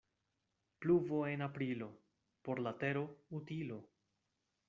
Pluvo en Aprilo — por la tero utilo.